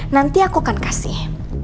nanti aku akan kasih